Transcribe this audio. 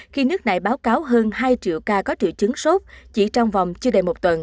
khi nước này báo cáo hơn hai triệu ca có triệu chứng sốt chỉ trong vòng chưa đầy một tuần